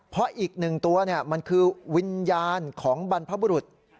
เพราะอีกหนึ่งตัวมันคือวิญญาณของบรรพบุรุษ